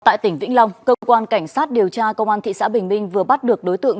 tại tỉnh vĩnh long cơ quan cảnh sát điều tra công an thị xã bình minh vừa bắt được đối tượng